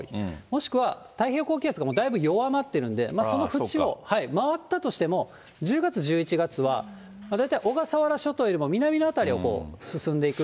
もしくは太平洋高気圧がだいぶ弱まってるんで、そのふちを回ったとしても、１０月、１１月は大体小笠原諸島よりも南の辺りを進んでいく。